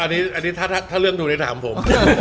อันนี้ถ้าเรื่องทัวร์ได้ถามผม